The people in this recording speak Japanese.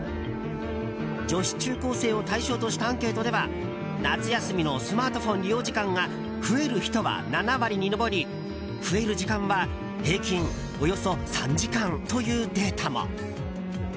女子中高生を対象としたアンケートでは夏休みのスマートフォン利用時間が増える人は７割に上り増える時間は平均およそ３時間というデータも。